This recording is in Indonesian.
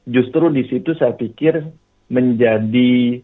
justru disitu saya pikir menjadi